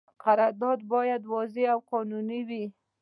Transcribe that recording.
قرارداد باید واضح او قانوني وي.